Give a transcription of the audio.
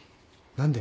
何で？